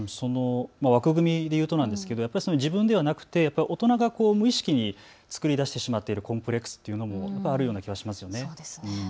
枠組みでいうとなんですけどやっぱり自分ではなくて大人が無意識に作り出してしまっているというコンプレックスというのもあるような気がしますよね。